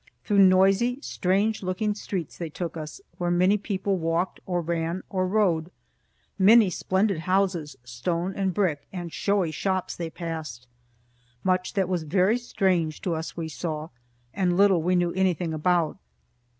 Through noisy, strange looking streets they took us, where many people walked or ran or rode. Many splendid houses, stone and brick, and showy shops, they passed. Much that was very strange to us we saw, and little we knew anything about.